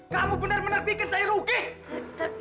kamu benar benar bikin saya rugi